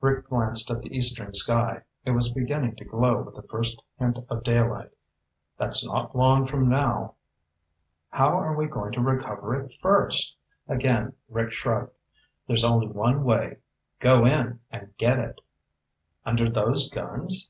Rick glanced at the eastern sky. It was beginning to glow with the first hint of daylight. "That's not long from now." "How are we going to recover it first?" Again Rick shrugged. "There's only one way. Go in and get it." "Under those guns?"